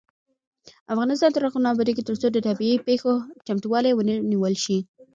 افغانستان تر هغو نه ابادیږي، ترڅو د طبيعي پیښو چمتووالی ونه نیول شي.